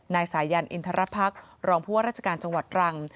นายสายันอินทรพรรครองผู้ว่าราชการจังหวัดตรัง